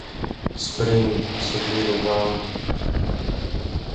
Spring, så blir du varm.